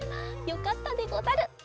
よかったでござる。